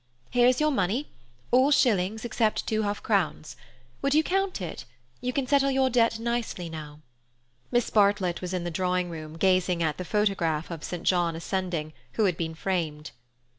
Here is your money—all shillings, except two half crowns. Would you count it? You can settle your debt nicely now." Miss Bartlett was in the drawing room, gazing at the photograph of St. John ascending, which had been framed.